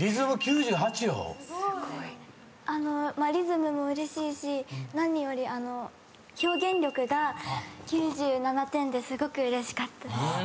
リズムもうれしいし何より表現力が９７点ですごくうれしかったです。